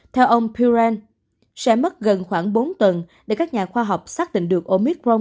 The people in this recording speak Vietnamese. theo ông pierren sẽ mất gần khoảng bốn tuần để các nhà khoa học xác định được omicron